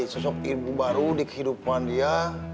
ibu tirinya nanti ada sosok ibu baru di kehidupan dia